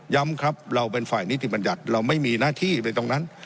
ครับเราเป็นฝ่ายนิติบัญญัติเราไม่มีหน้าที่ไปตรงนั้น